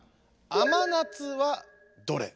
甘夏はどれ？